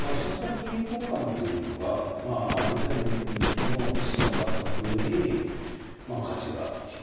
まあ飛車先交換っていうのが以前の棋士の感覚より価値が低いという。